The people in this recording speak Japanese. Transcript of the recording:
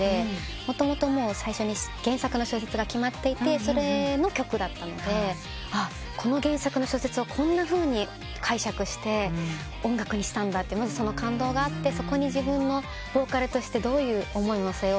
もともと最初に原作の小説が決まっていてそれの曲だったのでこの原作の小説をこんなふうに解釈して音楽にしたんだってその感動があってそこに自分のボーカルとしてどういう思いを乗せようという。